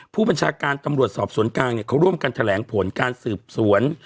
ผู้บัญชาการตำรวจสอบสวนกลางเนี่ยเขาร่วมกันแถลงผลการสืบสวน